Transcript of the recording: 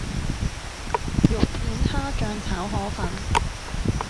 肉片蝦醬炒河粉